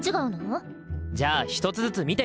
じゃあ１つずつ見ていこう！